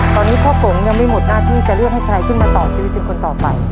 ตอนนี้พ่อฝนยังไม่หมดหน้าที่จะเลือกให้ใครขึ้นมาต่อชีวิตเป็นคนต่อไป